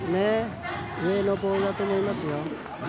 上のボールだと思いますよ。